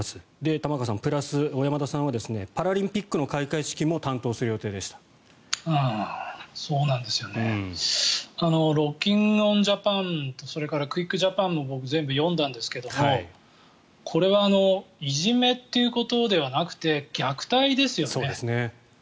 玉川さん、プラス小山田さんはパラリンピックの開会式も「ロッキンオンジャパン」それから「クイックジャパン」も全部読んだんですがこれはいじめということではなく虐待ですよね。